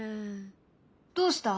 どうした？